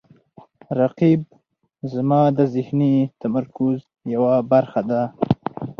رقیب زما د ذهني تمرکز یوه برخه ده